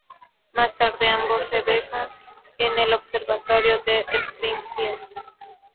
Más tarde, ambos se besan en el Observatorio de Springfield.